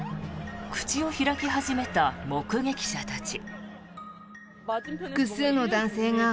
口を開き始めた目撃者たち。